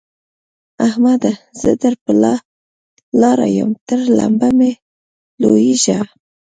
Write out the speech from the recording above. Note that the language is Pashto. احمده! زه در پر لاره يم؛ تر لمبه مه لوېږه.